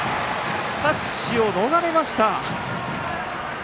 タッチを逃れました！